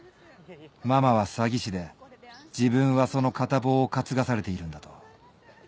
ママは詐欺師で自分はその片棒を担がされているんだと。